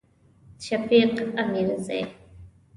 شفیق امیرزی